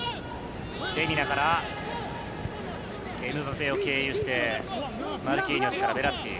レミナからエムバペを経由して、マルキーニョスからベッラッティ。